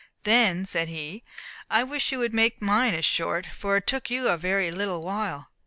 "Then," said he, "I wish you would make mine as short, for it took you a very little while."